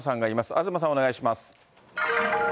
東さん、お願いします。